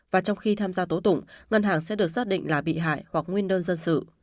và trong khi tham gia tố tụng ngân hàng sẽ được xác định là bị hại hoặc nguyên đơn dân sự